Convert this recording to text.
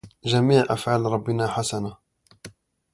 جميع أفعال ربنا حسنه